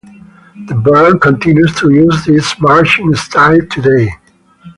The band continues to use this marching style today.